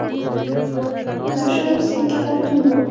هُدا شمس یې کتابتون و